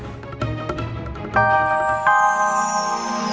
saya tidak tahu